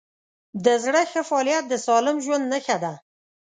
د زړه ښه فعالیت د سالم ژوند نښه ده.